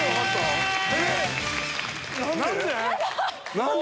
何で？